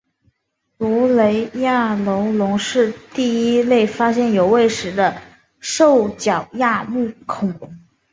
卢雷亚楼龙是第一类发现有胃石的兽脚亚目恐龙。